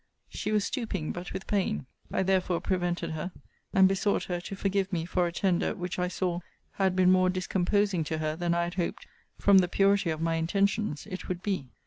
She was stooping, but with pain. I therefore prevented her; and besought her to forgive me for a tender, which, I saw, had been more discomposing to her than I had hoped (from the purity of my intentions) it would be.